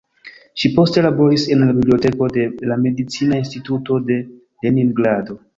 Ŝi poste laboris en la biblioteko de la Medicina Instituto de Leningrado.